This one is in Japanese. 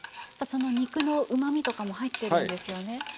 その肉のうまみとかも入ってるんですよね。